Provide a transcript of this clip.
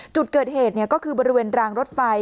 จุดเกิดเหตุก็คือบริเวณรางรถไฟ